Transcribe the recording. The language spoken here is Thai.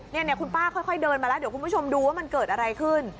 เนี่ยคุณป้าค่อยเดินมาแล้วเดี๋ยวคุณผู้ชมดูว่ามันเกิดอะไรขึ้น